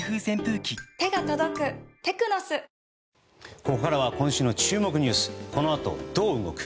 ここからは今週の注目ニュースこの後どう動く？